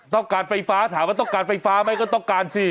ต้องการไฟฟ้าถามว่าต้องการไฟฟ้าไหมก็ต้องการสิ